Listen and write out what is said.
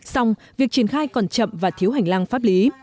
xong việc triển khai còn chậm và thiếu hành lang pháp lý